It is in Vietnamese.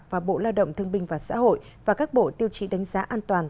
và bộ lao động thương binh và xã hội và các bộ tiêu chí đánh giá an toàn